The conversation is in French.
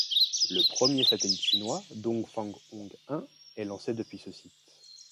Le premier satellite chinois Dong Fang Hong I est lancé depuis ce site.